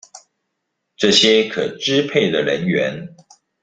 這些可支配的人員